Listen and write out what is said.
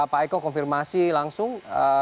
pak eko konfirmasi langsung